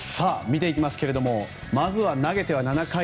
見ていきますけれどもまずは、投げては７回。